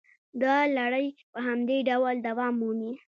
دا لړۍ په همدې ډول دوام مومي